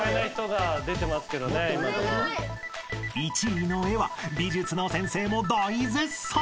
［１位の絵は美術の先生も大絶賛］